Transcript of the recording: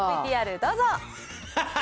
ＶＴＲ、どうぞ。